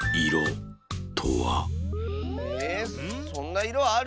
えそんないろある？